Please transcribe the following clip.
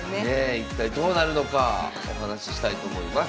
一体どうなるのかお話ししたいと思います。